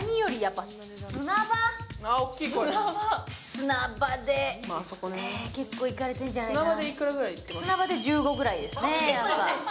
砂場で結構いかれてるんじゃないかな。